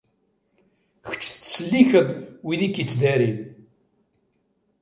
Kečč yettselliken wid i k-ittdarin.